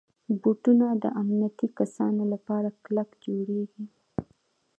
بوټونه د امنیتي کسانو لپاره کلک جوړېږي.